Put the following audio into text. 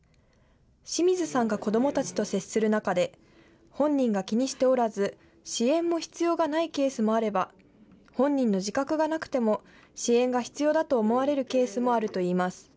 清水さんが子どもたちと接する中で本人が気にしておらず支援も必要がないケースもあれば本人の自覚がなくても支援が必要だと思われるケースもあるといいます。